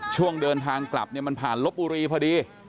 ช่วงเดินทางกลับเนี่ยมันผ่านลบบุรีพอดี